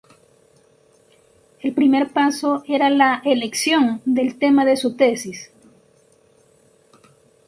El primer paso era la elección del tema de su tesis.